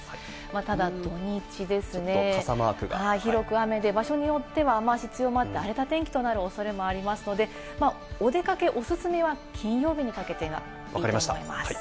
ただ、土日ですね、広く雨で場所によっては雨足が強まって荒れた天気となる恐れもありますので、お出かけ、おすすめは金曜日にかけてがいいと思います。